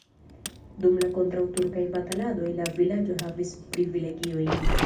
Dum la kontraŭturkaj bataladoj la vilaĝo havis privilegiojn.